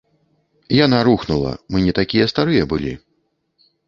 Яна рухнула, мы не такія старыя былі.